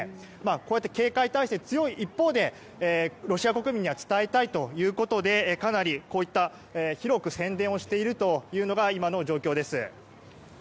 こうやって警戒態勢が強い一方でロシア国民には伝えたいということでかなり広く宣伝をしているというのが今の状況です。